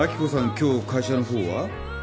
今日会社のほうは？